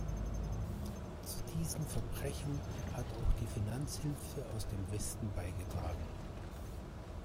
Zu diesen Verbrechen hat auch die Finanzhilfe aus dem Westen beigetragen.